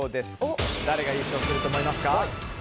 誰が優勝すると思いますか。